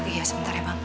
iya sebentar ya bang